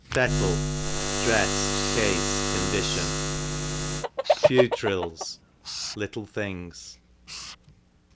Fettle, rfj'ess; case; condition. Fewtrils, little things.